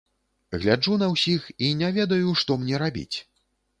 Гляджу на ўсіх, і не ведаю, што мне рабіць.